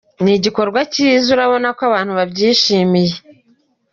Ni igikorwa cyiza urabona ko abantu babyishimiye.